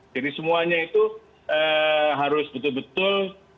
jadi semuanya itu harus betul betul